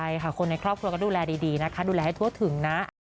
ใช่ค่ะคนในครอบครัวก็ดูแลดีนะคะดูแลให้ทั่วถึงนะ